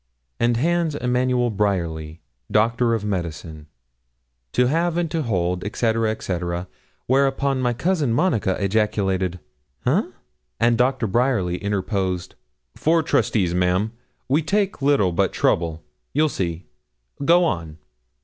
and Hans Emmanuel Bryerly, Doctor of Medicine, 'to have and to hold,' &c. &c. Whereupon my Cousin Monica ejaculated 'Eh?' and Doctor Bryerly interposed 'Four trustees, ma'am. We take little but trouble you'll see; go on.'